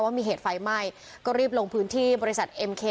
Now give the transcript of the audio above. ว่ามีเหตุไฟไหม้ก็รีบลงพื้นที่บริษัทเอ็มเค